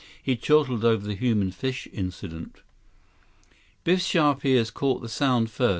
He chortled over the human fish incident. Biff's sharp ears caught the sound first.